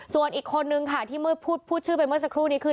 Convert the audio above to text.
ส่วนอีกคนนึงค่ะที่เมื่อพูดชื่อไปเมื่อสักครู่นี้คือ